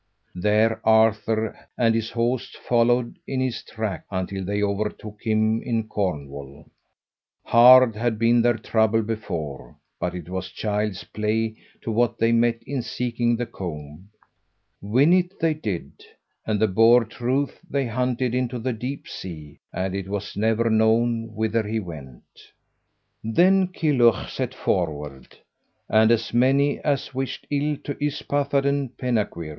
There Arthur and his hosts followed in his track until they overtook him in Cornwall. Hard had been their trouble before, but it was child's play to what they met in seeking the comb. Win it they did, and the Boar Truith they hunted into the deep sea, and it was never known whither he went. Then Kilhuch set forward, and as many as wished ill to Yspathaden Penkawr.